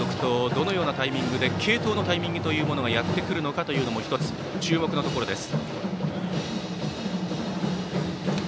どのようなタイミングで継投のタイミングがやってくるのかも１つ、注目のところです。